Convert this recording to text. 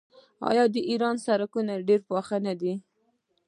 آیا د ایران سړکونه ډیر پاخه نه دي؟